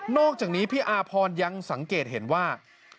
อกจากนี้พี่อาพรยังสังเกตเห็นว่า